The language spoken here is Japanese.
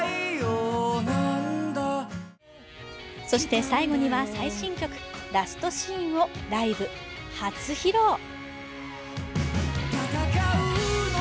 そして最後には最新曲「ラストシーン」をライブ初披露。